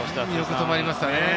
よく止まりましたね。